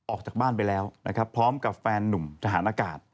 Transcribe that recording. ออกจากบ้านไปแล้วนะครับพร้อมกับแฟนนุ่มทหารอากาศ